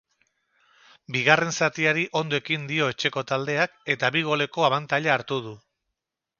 Bigarren zatiari ondo ekin dio etxeko taldeak eta bi goleko abantaila hartu du.